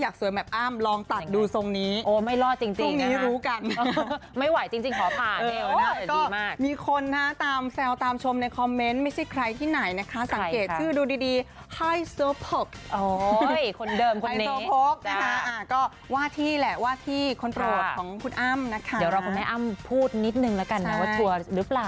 ของคุณอ้ำนะคะเดี๋ยวเราขอให้อ้ำพูดนิดนึงแล้วกันนะว่าทัวร์หรือเปล่า